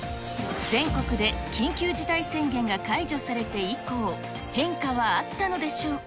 全国で緊急事態宣言が解除されて以降、変化はあったのでしょうか。